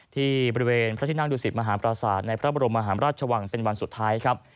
ที่บริเวณพระที่นั่งดุสิตมหาปราศาสตร์ในพระบรมหาราชวังเป็นวันสุดท้ายครับ